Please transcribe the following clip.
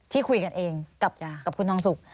ที่คุยกันเองกับคุณทองสุก